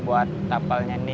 sebuah latihan para penyanyi